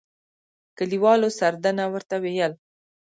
کلیوالو سردنه ورته ويل.